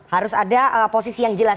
harus ada posisi yang jelas